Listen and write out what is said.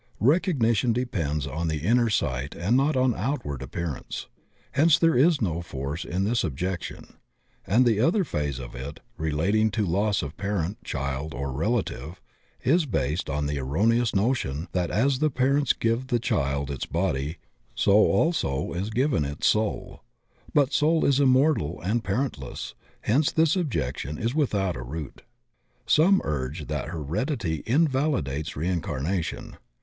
Recognition depends on the inner sight and not on outward appearance; hence there is no force in this objection. And the other phase of it relating to loss of parent, child, or relative is based on the erroneous notion that as the parents give the child its body so also is given its soul. But soul is immortal and parentless; hence this objection is without a root. Some urge that Heredity invalidates Reincarnation.